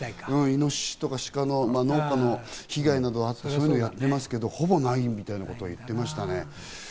イノシシとかシカ、農家の被害でそういうことをやってますけど、ほぼないみたいなことを言ってました。